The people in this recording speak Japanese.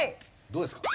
どうですか？